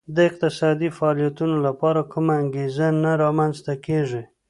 د اقتصادي فعالیتونو لپاره کومه انګېزه نه رامنځته کېږي